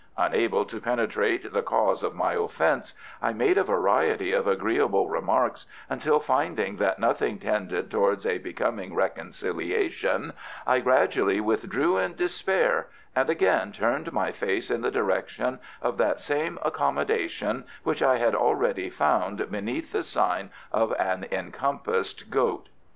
Unable to penetrate the cause of my offence, I made a variety of agreeable remarks, until finding that nothing tended towards a becoming reconciliation, I gradually withdrew in despair, and again turned my face in the direction of that same accommodation which I had already found beneath the sign of an Encompassed Goat.